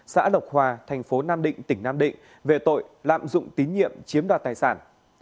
xã lộc hòa thành phố nam định tỉnh nam định về tội lạm dụng tín nhiệm chiếm đoạt tài sản